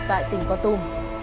tại tỉnh co tùm